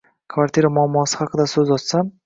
Kvartira muammosi haqida so‘z ochsam